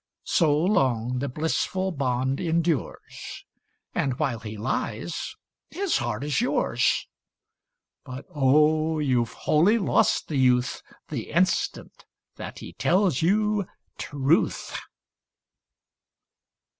So long the blissful bond endures. And while he lies, his heart is yours : But, oh I youVe wholly lost the youth The instant that he tells you truth.